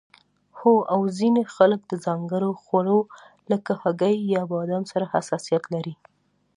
هو او ځینې خلک د ځانګړو خوړو لکه هګۍ یا بادام سره حساسیت لري